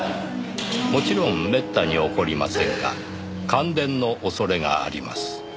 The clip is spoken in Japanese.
「もちろんめったに起こりませんが感電の恐れがあります」